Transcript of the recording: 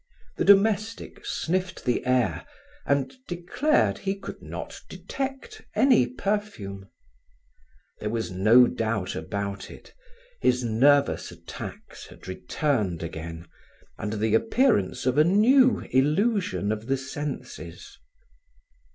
The domestic sniffed the air and declared he could not detect any perfume. There was no doubt about it: his nervous attacks had returned again, under the appearance of a new illusion of the senses.